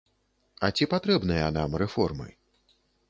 А ці патрэбныя нам рэформы?